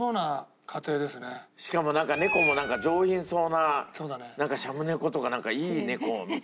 しかもなんか猫も上品そうなシャム猫とかいい猫みたいな。